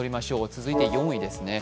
続いて４位ですね。